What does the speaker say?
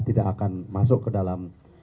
tidak akan masuk ke dalam